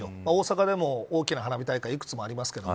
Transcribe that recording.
大阪でも大きな花火大会いくつもありますけれど